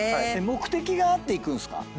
目的があって行くんすか？